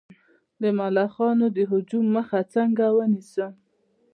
د ملخانو د هجوم مخه څنګه ونیسم؟